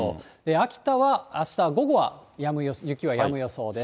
秋田はあしたは午後は雪はやむ予想です。